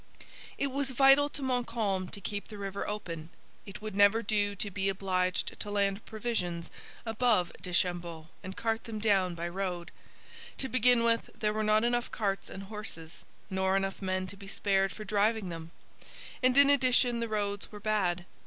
It was vital to Montcalm to keep the river open. It would never do to be obliged to land provisions above Deschambault and to cart them down by road. To begin with, there were not enough carts and horses, nor enough men to be spared for driving them; and, in addition, the roads were bad.